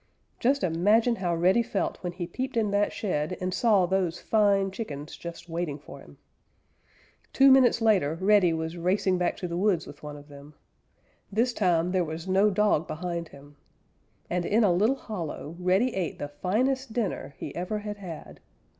Just imagine how Reddy felt when he peeped in that shed and saw those fine chickens just waiting for him. Two minutes later Reddy was racing back to the woods with one of them. This time there was no dog behind him. And in a little hollow Reddy ate the finest dinner he ever had had.